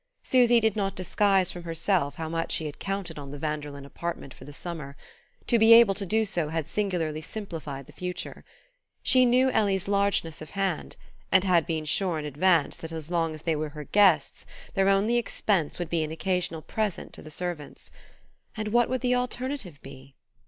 Susy did not disguise from herself how much she had counted on the Vanderlyn apartment for the summer: to be able to do so had singularly simplified the future. She knew Ellie's largeness of hand, and had been sure in advance that as long as they were her guests their only expense would be an occasional present to the servants. And what would the alternative be?